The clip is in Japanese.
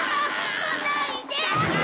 こないで！